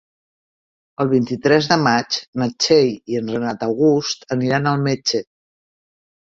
El vint-i-tres de maig na Txell i en Renat August aniran al metge.